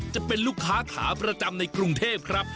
จะเป็นลูกค้าขาประจำในกรุงเทพครับ